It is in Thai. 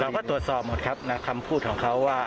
ตรวจสอบหมดครับคำพูดของเขาว่า